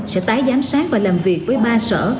sẽ tái giám sát và làm việc với ba sở